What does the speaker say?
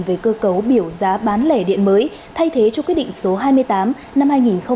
về cơ cấu biểu giá bán lẻ điện mới thay thế cho quyết định số hai mươi tám năm hai nghìn một mươi